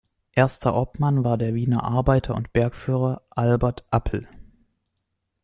Erster Obmann war der Wiener Arbeiter- und Bergführer Albert Appel.